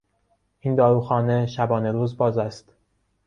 این داروخانه شبانهروز باز است.